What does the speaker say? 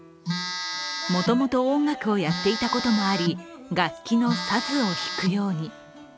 もともと音楽をやっていたこともあり、楽器のサズを弾くように。